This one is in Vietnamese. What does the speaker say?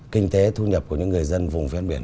kinh tế thu nhập của những người dân vùng ven biển